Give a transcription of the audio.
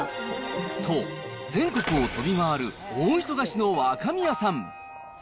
と、全国を飛び回る、大忙しの若宮さん。